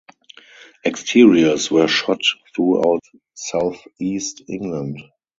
Exteriors were shot throughout southeast England.